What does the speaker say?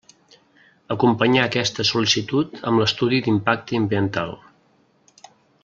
Acompanyà aquesta sol·licitud amb l'estudi d'impacte ambiental.